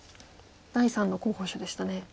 第３の候補手でしたね。